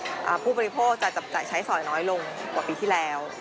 ผู้บริโภคจะจับจ่ายใช้สอยน้อยลงกว่าปีที่แล้ว